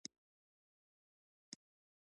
که دوی غلي وي د حامد میر روایت به منو.